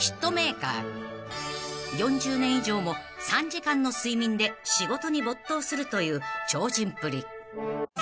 ［４０年以上も３時間の睡眠で仕事に没頭するという超人っぷり］